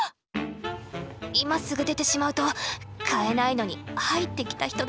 今すぐ出てしまうと買えないのに入ってきた人だと思われてしまう。